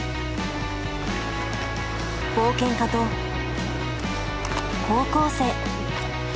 冒険家と高校生。